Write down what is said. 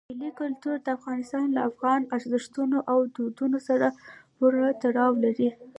ملي کلتور د افغانستان له افغاني ارزښتونو او دودونو سره پوره تړاو لري.